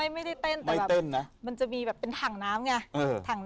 มันไม่ได้เต้นแต่มันจะเป็นถั่งน้ำ